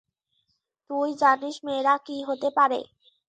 তুই জানিস মেয়েরা কি হতে পারে?